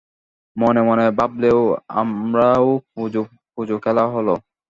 মনে মনে ভাবলে, আমারও পুজো-পুজো খেলা হল।